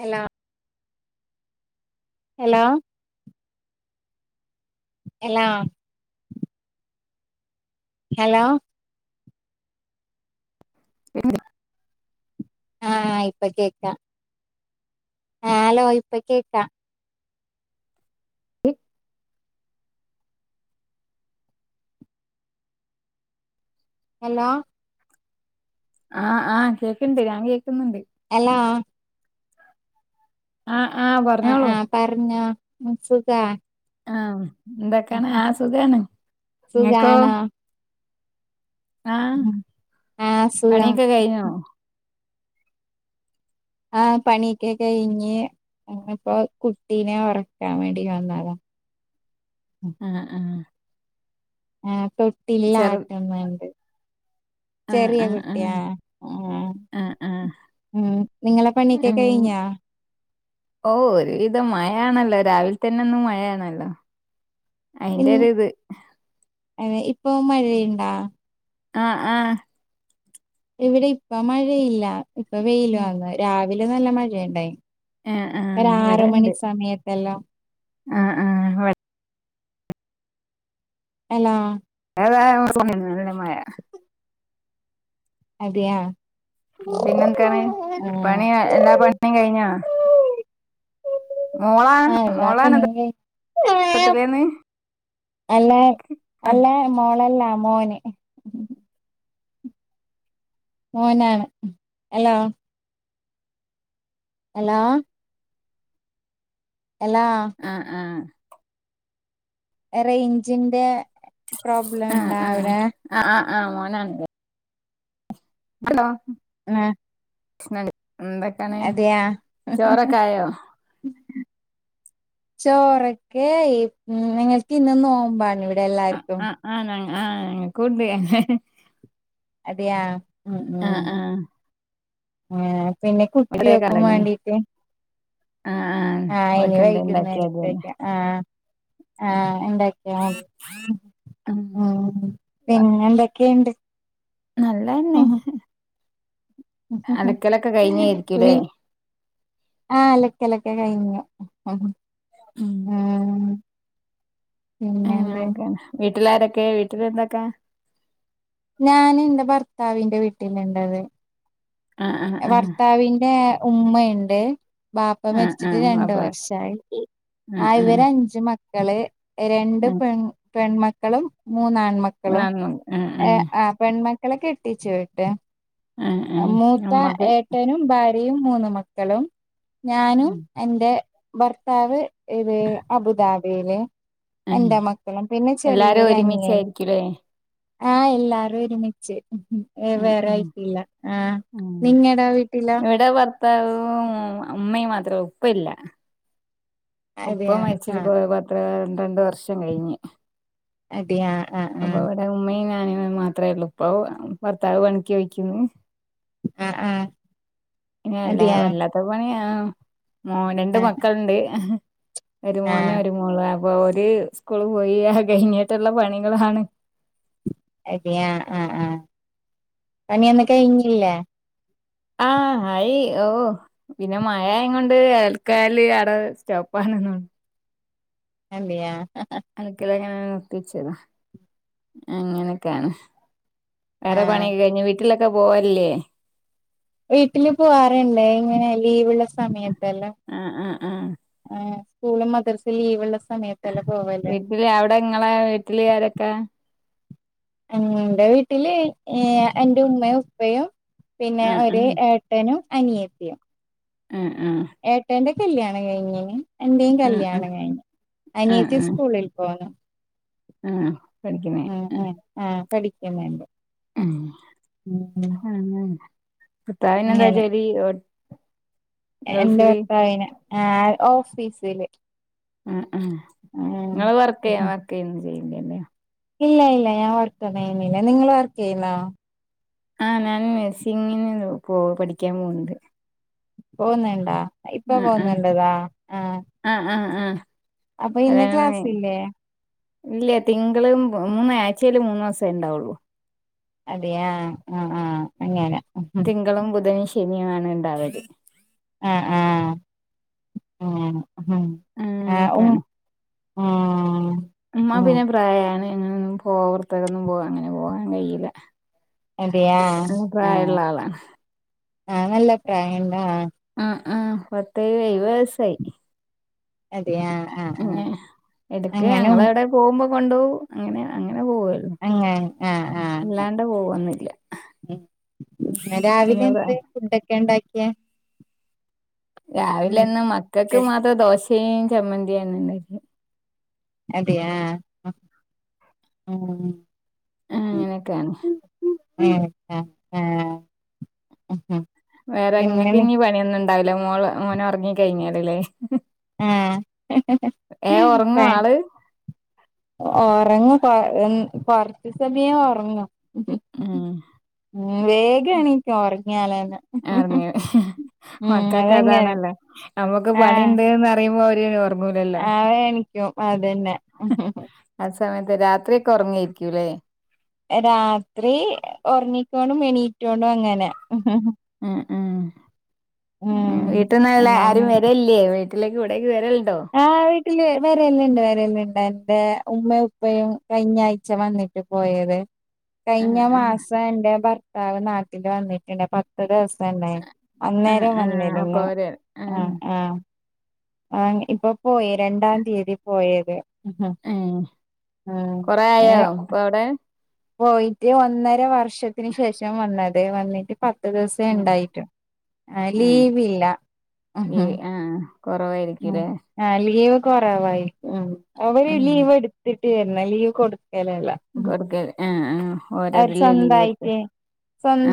Hello. Hello. Hello. Hello പിന്നെ ആ ഇപ്പകേക്ക. ആ ഹലോ ഇപ്പകേക്കാ. ഹലോ. ആഹ് ആഹ് കേക്ക്ണ്ട് ഞാൻ കേക്ക്ന്നുണ്ട്. ഹലോ. ആഹ് ആഹ് പറഞ്ഞോളൂ. പർഞ്ഞോ മ് സുഖാ. ആഹ് എന്തൊക്കേണ് ആ സുഖാണ് ഇങ്ങക്കോ? സുഖാണോ ആഹ് ആഹ് സുഖം പണിഒക്കെ കഴിഞ്ഞോ? ആഹ് പണിയൊക്കെ കഴിഞ്ഞ് ഇഞ്ഞിപ്പോ കുട്ടീനെ ഒർക്കാൻ വേണ്ടി വന്നതാ. ആഹ് ആഹ്. ആഹ് തൊട്ടിലിൽ ചെറു ആട്ട്ന്ന്ണ്ട്. ആഹ് ചെറിയ ആഹ് ആഹ് കുട്ട്യാ മ്. ആഹ് ആഹ് മ് നിങ്ങളെ പണിഒക്കെ ഉം കഴിഞ്ഞോ? ഓഹ് ഒരുവിധം മഴയാണല്ലോ രാവിൽ തന്നെ ഇന്ന് മഴയാണല്ലോ. അയിന്റെ ഒര് ഇത്. അതെ ഇപ്പോ മഴയ്ണ്ടാ? ആഹ് ആഹ്. ഇവിടെ ഇപ്പ മഴയില്ല ഇപ്പൊ വെയില് വന്ന് രാവിലെ നല്ല മഴയ്ണ്ടായി. ആഹ് ആഹ് ഒര ആറ് മണി ഇവിടെണ്ട് സമയത്തെല്ലോ. ആഹ് ആഹ്. ഹലോ. ഏതാ [unintelligible] നല്ല മഴ. അതെയാ. പിന്നെ എൻക്കാണ് ആഹ് പണി എല്ലാ പണിം കയ്ഞ്ഞോ? ആ മോളാണ് എല്ലാപ്പണിം കയ്ഞ്ഞു. തൊട്ടിലേന്ന് അല്ലാ അല്ല മോളല്ല മോന്. മോനാ ഹലോ. ഹലോ. ഹല്ലാ. ആഹ് ആഹ് ഏറെ എൻജിന്റെ ആഹ് ആഹ് മോനാണ് [inaudible] ആഹ് [inaudible] എന്തൊക്കാണ് അതെയാ ചോറക്കായോ ചോറൊക്കെ ആയി നിങ്ങൾക്ക് ഇന്ന് നോമ്പാണ് ഇവിടെ ഇവിടെ എല്ലാർക്കും ആണോ ആ ഞങ്ങൾക്കുണ്ട് അതെയാ ഉ ഉ ആഹ് ആഹ് ആഹ് പിന്നെ ഇവിടെ കുട്ടിയൊക്കെ കലങ്ങി വേണ്ടീട്ട് ആഹ് ആഹ് ഇനി ഓര്ക്കെന്തേ ഇണ്ടാക്കിയാതി വൈകുന്നേരത്തേക്ക് ആഹ് ആഹ് ഉണ്ടാക്കിയ മതി ഉം ആഹ് പിന്നെ എന്തൊക്കെയുണ്ട് നല്ലതന്നെ അലക്കലൊക്കെ [inaudible] കഴിഞ്ഞായിരിക്കുംല്ലേ വി ആഹ് അലക്കൽ ഒക്കെ കഴിഞ്ഞു ആഹ് ഉം ആഹ് പിന്നെ എന്ത അങ്ങനെയൊക്കെയാണ് വീട്ടിലാരൊക്കെ വീട്ടിൽ എന്തൊക്കാ ഞാൻ എന്റെ ഭർത്താവിന്റെ വീട്ടില ഇണ്ടവാ ആഹ് ആഹ് ആഹ് ഭർത്താവിൻറെ ഉമ്മയുണ്ട് ബാപ്പ ആഹ് മരിച്ചിട്ട് ആഹ് രണ്ടു അപ്പൊ വർഷമായി ആ ആഹ് ആഹ് ഇവര് അഞ്ച് മക്കള് രണ്ട് ആഹ് പെൺ പെൺമക്കളും മൂന്നാൺമക്കളും ആഹ് ആഹ് ആഹ് പെൺമക്കളെ കെട്ടിച്ചുവിട്ടു ആഹ് ആഹ് മൂത്ത നമ്മക്ക് ഏട്ടനും ഭാര്യയും മൂന്ന് മക്കളും ഞാനും എന്റെ ഭർത്താവ് ഇത് അബുദാബിയില് ആഹ് എന്റെ മക്കളും പിന്നെ എല്ലാരും ചെറിയൊരു അനിയനും ഒരുമിച്ചായിരിക്കുംല്ലേ ആഹ് എല്ലാരും ഒരുമിച്ച് വേറെ ആയിട്ടില്ല ആ ഉ നിങ്ങടെ വീട്ടിലോ ഇവിടെ ഭർത്താവും അമ്മയും മാത്രേ ഉപ്പല്ല അതെയ ഉപ്പ ആ മരിച്ചിട്ട് പത്ത് പന്ത്രണ്ട് വർഷം കഴിഞ്ഞ് അതെ ആഹ് ആഹ് അപ്പൊ ആഹ് ഇവിടെ ഉമ്മയും ഞാനും മാത്രമേ ഉള്ളൂ ഇപ്പ ഭർത്താവ് പണിക്ക് പോയിക്കണ് ആഹ് ആഹ് ഇനല്ലേ വല്ലാത്ത പണിയ മോനണ്ട് ആ മക്കളുണ്ട് ഒരു ആ മോനും ഒരു മോളും അപ്പൊ ഒരു സ്കൂള് പോയി കഴിഞ്ഞിട്ടുള്ള പണികളാണ് അത ആഹ് ആഹ് പണിയൊന്ന കഴഞ്ഞില്ലേ ആഹ് ആയി ഓ പിന്നെ മഴ ആയ കൊണ്ട് അലക്കൽ അവിടെ സ്റ്റോപ്പ് ആണ് അല്ലയാ [inaudible] അലക്കല് അങ്ങനെ നിർത്തിവച്ചത അങ്ങനെയൊക്കെയാണ് വേറെ ആഹ് പണിയ കഴിഞ്ഞു വീട്ടിലൊക്കെ പോവല്ലേ വീട്ടില് പോവാറുണ്ടേ ഇങ്ങനെ ലീവ്ള്ള സമയത്തല്ലാം ആഹ് ആഹ് ആഹ് ആ സ്കൂളും മദഴ്സ് ലീവ് ഉള്ള സമയത്തല്ല പോവലുണ്ട് വീട്ടില് അവിടെ ഇങ്ങളെ വീട്ടിൽ ആരൊക്കെ എന്റെ വീട്ടില് എൻ്റെ ഉമ്മയും ഉപ്പയും പിന്നെ ആഹ് ഒരു ആഹ് ഏട്ടൻ ട്ടനും അനിയത്തിയും ആഹ് ആഹ് ഏട്ടേന്റെ കല്യാണം കഴിഞ്ഞന് എന്റെയും ആഹ് ആഹ് കല്യാണം കഴിഞ് അനിയത്തി സ്കൂളിൽ പോന്നു ഉ. പഠിക്ക്ണേ ഉം ആഹ് പഠിക്ക്ന്ന് ണ്ട്. അങ്ങനെ [unintelligible] എന്റെ ഗൾഫില് ഭർത്താവിനെ ആഹ് ഓഫീസില് ഉം ഉ ആഹ് ഇങ്ങള് വർക്ക് ഉം [unintelligible] വർക്ക് ചെയ്യ ചെയ്യ [unintelligible] ഇല്ല ഇല്ല ഞാൻ വർക്ക് ഒന്നുഎയ്യുന്നില്ല നിങ്ങള് വർക്ക് ചെയ്യുന്നു? ആ ഞാൻ നേസിങ്ങിന് പോ പഠിക്കാൻ പോുന്നുണ്ട് പോന്ന്ണ്ടാ ഇപ്പ ആഹ് ആഹ് പോുന്നുണ്ട്ന്ന ആഹ ആഹ് ആഹ് ആഹ് കല്ല്യാണം കയ്ഞ് ക്ലാസ്സില്ലേ ഇല്ല്യ തിങ്കളും മൂന്ന് ആഴ്ചേല് മൂന്നൂസേ ഇണ്ടാവുള്ളൂ. അതെയാ ആഹ് ആഹ് അങ്ങനെ തിങ്കളും, ബുധനും, ശനിയും ആണ് ഇണ്ടാവല്. അ ആഹ് ഏഹ് ഉം അങ്ങനെക്കാണ്. ഉം അ് ഉം പിന്നെ പ്രായമാണ് ഇന്നാപിന്നെ [unintelligible] പൊർത്ത്ക്കൊന്നും പോ അങ്ങനെ പോകാൻ കഴീല. അതെ ആഹ് ആഹ്. ആളാണ് ആഹ് നല്ല പ്രായണ്ടോ? ആഹ് ആഹ് പത്ത് എയ് വെയ്സായി. അതെ ആഹ് എടക്ക് ഞങ്ങളവ്ടെ പോവ്മ്പൊ കൊണ്ടോവും. അങ്ങനെ അങ്ങനെ പോവ അങ്ങ ആ ആ അല്ലാണ്ട് പോവൊന്നില്ല. [unintelligible] ഫുഡ്ഡക്കെ ഇണ്ടാക്ക്യേ രാവിലെ ഇന്ന് മക്കക്ക് മാത്രം ദോശേം ചമ്മന്തിയ ഇന്ന്ണ്ടാക്യേ. അതെ ആഹ് ഉം അങ്ങനെയൊക്കെയാണ് [unintelligible] ഉ ഹും വേറെ ങ്ങക്ക് ഞ്ഞ് പണിയൊന്നുംണ്ടാവൂല മോള് മോനൊർങ്ങി കഴിഞ്ഞാല് ലേ ആഹ് ഉറങ്ങും [unintelligible] ആള് ഒറങ്ങു [unintelligible] കൊർച്ച് സമയേ ഒർങ്ങു. ഉം ഉ. വേഗെണീക്ക ഒർങ്ങ്യാലെന്നെ ഉറങ്ങി ഉം അതങ്ങനെ നമ്മക്ക് പണിണ്ട്ന്നറിയുമ്പൊ ഓര് ഒർങ്ങൂലല്ലോ അവേ നിക്കും അതെന്നെ ആ സമയത്ത് രാത്രിയൊക്കെ ഒർങ്ങായിരിക്കൂലേ രാത്രീ ഒർങ്ങിക്കോണ്ടും എണീറ്റോണ്ടു അങ്ങനെ ഉം ഉം ഉം വീട്ട്ന്നല്ലെ ആരും അങ്ങനെ വെരോല്ല ല്ലേ വീട്ട്ലേക്ക് ഇവിടേക്ക് വെരല്ണ്ടോ? ആഹ് വീട്ടില് വരല്ണ്ട് വരല്ണ്ട്. എന്റെ ഉമ്മയും, ഉപ്പയും കഴിഞ്ഞാഴ്ച വന്നി ട്ട് പോയത്. ആ കഴിഞ്ഞ മാസം എന്റെ ഭർത്താവ് നാട്ടില് വന്നിട്ട്ണ്ട് അപ്പ ഒരൂസണ്ടായ്ന്. ആ ആ അന്നേരം ആ അപ്പൊ വന്നിരുന്നു അവര് ആ ആഹ് ആഹ് ആഹ് ഇപ്പൊ പോയി, രണ്ടാം തീയതി പോയത് ആഹ് ഉ കൊറേ ആയോ, ഏഹ് ഇപ്പൊ അവ്ടെ? പോയിട്ട് ഒന്നര വർഷത്തിന് ശേഷം വന്നത്‌, വന്നിട്ട് പത്ത് ദിവ്സേ ആ ഇണ്ടായിട്ടു. ആഹ് ആ ലീവ് ല്ല. കൊറവായിരിക്കുലേ ആഹ് ലീവ് കൊറവായിരിക്കും. ഉം. അവര് ഉം ലീവ് എടുത്തിട്ട് വര്ന, ലീവ് കൊടുക്കലല്ല. കൊടുക്കൽ ഏഹ് ആഹ് അവര് സ്വന്തായിറ്റ്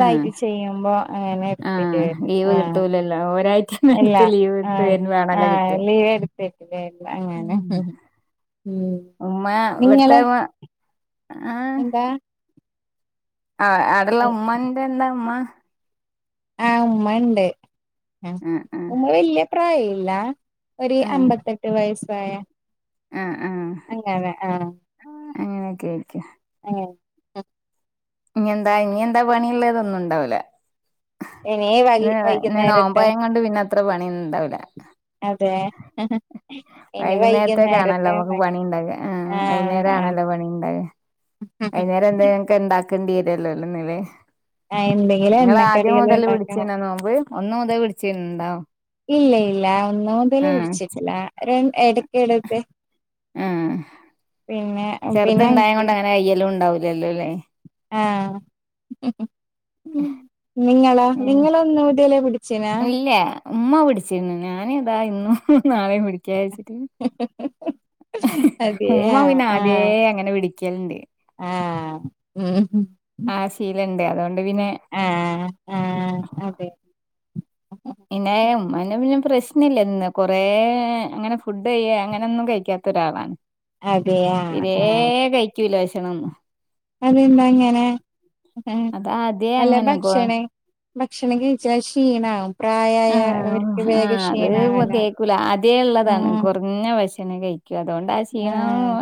ആ ചെയ്യുമ്പോ അങ്ങനെ ആ ഇട്ത്തിട്ട് വെരും. ലീവ് ആഹ് കിട്ടൂലല്ലോ ഒരാഴ്ചന്റെ ഇല്ല അടുത്ത് ലീവ് എടുത്ത് ആഹ് വേണല്ലോ കിട്ട ആഹ് ലീവെടു തെറ്റിലല്ല അങ്ങനെ ഉം ഉം നിങ്ങളെ ആഹ് എന്താ ആഹ് അടെള്ള ഉമ്മന്റെ എന്താ ഉമ്മ ആഹ് ഉമ്മണ്ട് ആഹ് ആ ആ ഉമ്മ വെല്ല്യ പ്രായല്ല ഒര് ആ അമ്പത്തെട്ട് വയസ്സായ ആഹ് ആഹ് അങ്ങെനെ ആഹ് അങ്ങനെയൊക്കെ ആയിരിക്കും അങ്ങ ഇഞ്ഞെന്താ ഇഞ്ഞെന്താ പണിള്ളെ തൊന്നുണ്ടാവുല ഇനി വൈ ന് ഇന്ന് വൈകുന്നേരത്തെ നോമ്പായ്ങ്ങൊണ്ട് പിന്നെ അത്ര പണിന്ന്ണ്ടാവ്ല അതെ ഇനി വൈകുന്നേരത്ത വൈകുന്നേരത്തേക്കാണല്ലോ നമുക്ക് പണി ഉണ്ടാക ആഹ് ആഹ് വൈന്നേരെന്തേലക്കെ ഇണ്ടാക്കേണ്ട്യെരൊല്ലോ [unintelligible] ആഹ് [unintelligible] ഇങ്ങളാദ്യം മുതൽ വിടിച്ചീന്നാ നോമ്പ് ഒന്നു മുതൽ വിടിച്ചീണ്ടോ? ഇല്ല ഇല്ല ഒന്ന് മുതല് വിടിച്ചിട്ല രൺ എടെക്കെടട്ട് ആഹ് പിന്നെ പിന്നെ എനിക്ക് ചെർതിണ്ടായങ്ങൊണ്ടങ്ങനെ അയ്യലുണ്ടാവുലല്ലോ ലേ ആഹ് ഉം നിങ്ങളാ ഉം നിങ്ങളൊന്ന് മുതലേ പിട്ച്ചിനാ ഇല്ല ഉമ്മ പിട്ച്ചിനി ഞാന് താ ഇന്നും നാളെം പിടിക്ക്യാ വെച്ചിട്ട് അതെ ഉമ്മ ആഹ് പിന്നെ ആദ്യേ ആഹ് അങ്ങനെ വിടിക്കൽണ്ട് ആഹ് ഉം ആ ശീലണ്ട് അതോണ്ട് പിന്നെ ആഹ് ആഹ് അതെ ഇന്നെ ഉമ്മാ പിന്നെ പ്രശ്നില്ല ഇന്ന് കൊറേ അങ്ങനെ ഫുഡ്ഡയ്യ അങ്ങനൊന്നും കൈക്കാത്തൊരാളാണ് അതെയ തിരേ ആഹ് കൈക്കൂല വഷണൊന്നു അതെന്താ അങ്ങനെ ആഹ് അതാദ്യേ അല്ലെ അങ്ങനെ കൊ ഭക്ഷണെ ഭക്ഷണം കൈച്ചാ ക്ഷീണാ പ്രായായ ആഹ് അവര്ക്ക് വേഗ ആഹ് അത് ക്ഷീണാകല്ല ഉം ഞ്ഞ ഭക്ഷ്ണ കൈക്കൂ അതോണ്ടാക്ഷീണം ആഹ്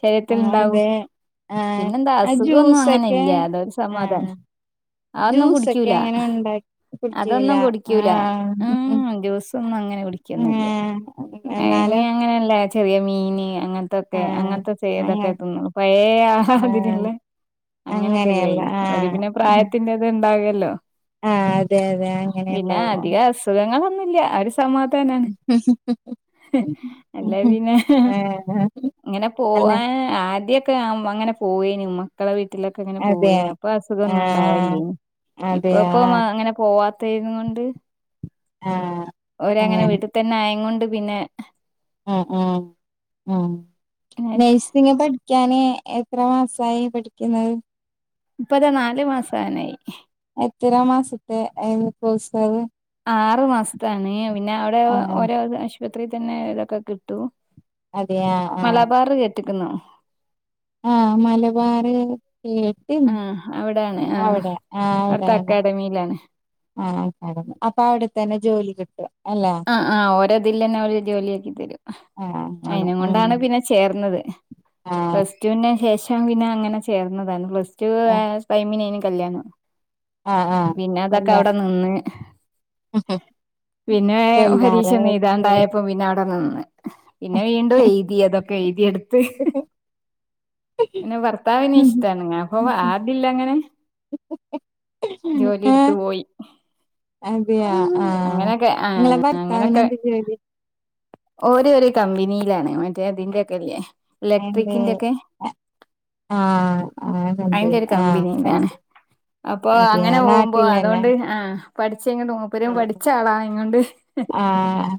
ശരീരത്തിൽ ആഹ് ഇണ്ടാവും അതെ ആഹ് പിന്നെന്താ ആ അസുഖൊന്നും ജ്യൂസൊക്കെ അങ്ങനെല്ല്യ അതൊരു സമാധാനം ആഹ് അ ഒന്നും ജ്യൂസൊക്കെ കുടിക്കൂല അങ്ങനെ ഉണ്ടാക്കി കുടിക്കൂല അതൊന്നും കുടി ക്ക്യൂല ആഹ് ഉം ജ്യൂസൊന്നും അങ്ങനെ കുടിക്ക്യൊന്നുല്ല ആഹ് ഇ എന്നാല് അങ്ങനല്ല ചെറിയ മീന് അങ്ങൻ തൊക്കെ ആഹ് അങ്ങൻത്തെ അങ്ങ ചേതൊക്കെ തിന്നൊള്ളു പയേ ആഹ് ഇതിലില്ലേ അങ്ങെനൊക്കെ ഇത് അങ്ങനെയല്ല കഴും ഒരു ആഹ് പിന്നെ പ്രായത്തിന്റെത് ഇണ്ടാവല്ലോ ആഹ് അതെ അതെ അങ്ങനെ പിന്നെ ഉണ്ടാവും അധിക അസുഖങ്ങളൊന്നുല്ല്യ അരു സമാധാനാണ് അല്ല പിന്നെ ആഹ് ഇങ്ങനെ അല്ല പോവാ ആദ്യൊക്കെ ആഹ് ഉമ്മങ്ങനെ പോയേനി ഉമ്മ ക്കളെ വീട്ടിലൊക്കെ ഇങ്ങനെ അതെ പോവേനി അപ്പ അസുഖം ആഹ് ഒന്നുണ്ടാവല്ലേനി ഇപ്പൊ അതെയ ഇപ്പൊ മ ആഹ് അങ്ങനെ പോവാത്തേങ്ങൊണ്ട് ആഹ് ഓരങ്ങനെ അങ്ങനെ വീട് തെന്നെ ആയെങ്ങൊണ്ട് പിന്നെ ഉം ഉം ഉം നെയ്സ് ഇങ്ങ് പഠിക്കാന് എത്രെ മാസായി പഠിക്കിന്ന്? ഇപ്പത നാല് മാസാനയ് എത്രെ മാസത്തെ ഏഹ് കോഴ്സാത് ആറ് മാസ്ത്താണ് പിന്നെ അവ്ടെ ആഹ് ഓരോ ആശ്പത്രീ തെന്നെ ലൊക്കെ കിട്ടു അതെയ ആഹ് മലബാർ കേറ്റ്ക്ക്ണോ? ആഹ് മലബാർ കേട്ട്ണ് ആഹ് അവ്ടെ ആഹ് അവ്ടെയാണ് [unintelligible] മിലാണ് ആഹ് നടന്ന് അപ്പ അവ്ടെ തന്നെ ജോലി കിട്ടാ ആഹ് ആഹ് ഓരെ ഇതിലെന്നെ അവര് ജോലി ആക്കി തെരും ആഹ് അങ്ങനെ അയിനും ഉം കൊണ്ടാണ് പിന്നെ ചേർന്നെത് ആഹ് പ്ലസ് റ്റുന് ശേഷം പിന്നെ അങ്ങനെ ചേർന്നതാണ് പ്ലസ് ടു ആഹ് ഏഹ് ടൈമിനെയ്നി കല്യാണം. പിന്നെ അതൊക്കെ അയുടെ നിന്ന് ഉ ഹ പിന്നെ പരീഷ ഒന്നും എഴ്താണ്ടായപ്പം പിന്നെ അയുടെ നിന്ന്. പിന്നെ വീണ്ടും എഴ്തി അതൊക്കെ എഴ്തി എട്ത്ത്. പിന്നെ ഭർത്താവിന് ഇഷ്ടാണ് അപ്പം ആ ഇതിൽ അങ്ങനെ. ജോലി ഇട്ത്ത് പോയി. അതിയാ ആഹ് അങ്ങനെയൊക്കെ ആ ഇങ്ങളെ ഭർത്താവിന് അങ്ങനൊക്കെ എന്ത് ജോലി ഓര് ഒര് കമ്പിനിലാണ് മറ്റേ ഇതിന്റെ ഒക്കെ ഇല്ലെ എന്ത് ഇലക്ട്രിക്കിന്റെ ഒക്കെ ആഹ് ആഹ് അയിന്റെ കമ്പനി ഒരു ആഹ് കമ്പനിയിലാണ് മൻസി അപ്പൊ അങ്ങനെ പോവുമ്പോ അതോണ്ട് ആഹ് പഠിച്ചെ ഇങ്ങെട്ട് നോ മാറി പോവും ആഹ്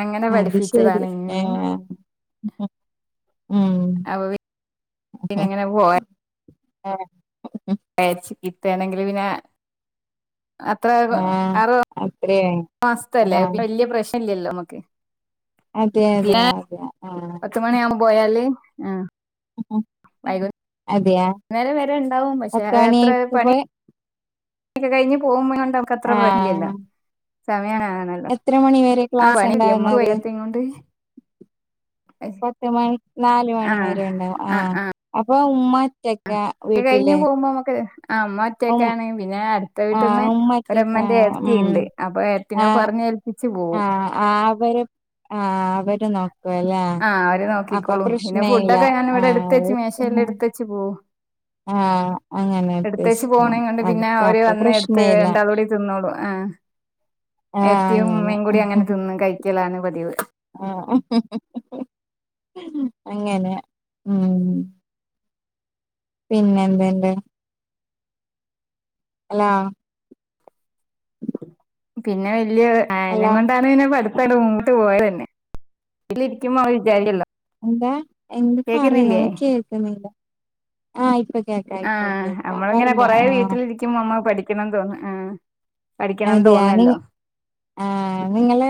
അങ്ങനെ അത് ശരി പഠിപ്പിച്ചതാണ് ഇനി ഏഹ് ഉം ഉം അപ്പ പി ന്നെ ഇങ്ങനെ പോവാ ച്ച് കിട്ടാണെങ്കിൽ പിന്നെ അത്രെ ആഹ് ആറ് അത്രയാ മാസ്ത്തെ അല്ലെ ആഹ് അപ്പ വല്ല്യ പ്രശ്നം ഇല്ലല്ലോ നമ്മക്ക്. അതെ അതെ അതെ ആഹ് പത്ത്മണി ആവും പോയാൽ ആഹ് അതെയാ വൈകുന്നേരം വെരെ ഇണ്ടാവും പക്ഷെ പത്ത് അഹ് അത്രെ മണിയായിപ്പ പണി പോയി ഒക്കെ കഴിഞ്ഞ് പോവുമ്പം കാണ്ട് നമ്മക്ക് അത്ര വര്ലല്ലോ ആഹ് സമയം ആണ്ട് ആകണല്ലോ എത്ര മണി വെരെ ക്ലാസ് ഇണ്ടാവ്ണെത് കൊണ്ട് പത്ത് മണിക്ക് നാൽ മണി ആഹ് വരെ ഇണ്ടാവും ആഹ് അപ്പൊ ഉമ്മാ അ ഒക്കെ കഴിഞ്ഞ് പോവുമ്പോ അമ്മക്ക് ഒര് ആ മമ്മ ഉം ഒറ്റക്കാണ് പിന്നെ അട്ത്ത ആഹ് വീട്ട്ന്ന് ഒര് അമ്മന്റെ ഉമ്മറ്റക്കാണ് എട്ടെത്തി ഉം ഇണ്ട് അപ്പ എട്ട്ത്തിനെ ആഹ് പർഞ്ഞ് ഏൽപ്പിച്ച് പോവും. ആഹ് ആഹ് വെരും ആഹ് വെരും നോക്ക [unintelligible] ആഹ് അവര് നോക്കിക്കോളും പിന്നെ ഫുഡൊക്കെ ഞാൻ ഇവിടെ ആഹ് എട്ത്തെച്ച് മേശെൽ എട്ത്തെച്ച് പോവും ആഹ് അങ്ങനെ എടുത്ത് വെച്ച് പോവും പോണേ കൊണ്ട് അത് പിന്നെ അവര് അപ്പ വന്ന് എടുത്ത് പ്രശ്ന ഇല്ലാ രണ്ടാളൂടി തിന്നോളും ആഹ് ആഹ് എട്ടെത്തിം അങ്ങനെ ഉമ്മെയും കൂടി അങ്ങനെ തിന്നും കഴിക്കലാണ് പതിവ് ആഹ് അങ്ങനെ ഉം പിന്നെ എന്ത് ഇണ്ട് ഹലോ പിന്നെ വെല്ല്യ ഇത് അയിനം ഹലോ കൊണ്ടാണ് പിന്നെ പഠി പ്പ് ആണ്ട് മുമ്പോട്ട് പോയെത് തെന്നെ വീട്ടിൽ ഇരിക്കിമ്പം നമ്മെൾ വിചാരിക്കല്ലോ? എന്താ എന്ത് പറയുന്നെത് കേക്കുന്നില്ലേ ഒന്നും കേൾക്ക്ണ് ഇല്ല ആഹ് നമ്മൾ ഇങ്ങനെ പറഞ്ഞോ കൊറെ ആഹ് വീട്ടിൽ ഇരിക്കിമ്പം നമ്മെക്ക് പഠിക്കെണം തോന്നും ആഹ് പഠിക്കെണംന്ന് തോന്നു അല്ലോ? ഏഹ് നിങ്ങെൾ